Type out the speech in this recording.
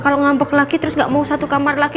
kalo ngambek lagi terus gak mau satu kamar lagi